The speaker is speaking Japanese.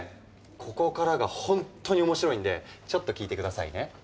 ここからが本当に面白いんでちょっと聞いて下さいね。